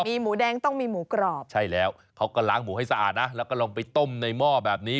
มีหมูแดงต้องมีหมูกรอบใช่แล้วเขาก็ล้างหมูให้สะอาดนะแล้วก็ลงไปต้มในหม้อแบบนี้